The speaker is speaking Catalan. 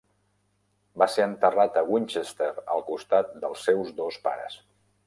Va ser enterrat a Winchester al costat dels seus dos pares.